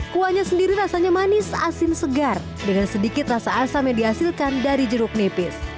kuahnya sendiri rasanya manis asin segar dengan sedikit rasa asam yang dihasilkan dari jeruk nipis